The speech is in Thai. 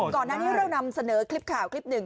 ก่อนหน้านี้เรานำเสนอคลิปข่าวคลิปหนึ่ง